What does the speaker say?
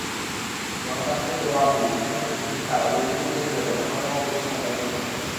গণতান্ত্রিক জবাবদিহি, সুশাসন প্রতিষ্ঠা ও দুর্নীতি প্রতিরোধে অন্যতম প্রতিষ্ঠান জাতীয় সংসদ।